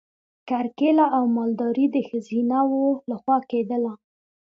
کرکیله او مالداري د ښځینه وو لخوا کیدله.